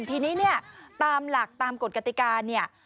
ทีนี้ตามหลักตามกฎกติการ